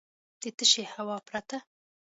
د تشې هوا پرته .